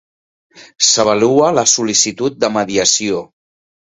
S'avalua la sol·licitud de mediació.